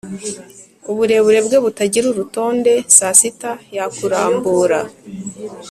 uburebure bwe butagira urutonde saa sita yakurambura,